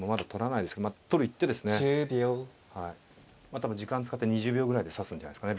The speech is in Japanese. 多分時間使って２０秒ぐらいで指すんじゃないですかね。